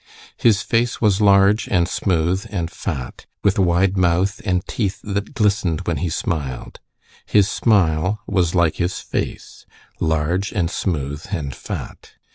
His face was large, and smooth, and fat, with wide mouth, and teeth that glistened when he smiled. His smile was like his face, large, and smooth, and fat.